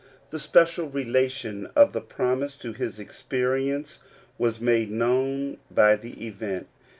The special relat^ ^ of the promise to his experience was made known the event.